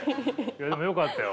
でもよかったよ。